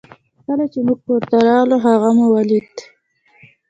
کله چې موږ کور ته راغلو هغه مو ولید